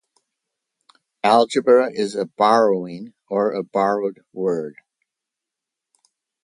Algebra is a borrowing, or a borrowed word.